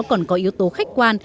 còn có yếu tố khách quan